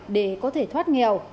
để có thể thoát nghèo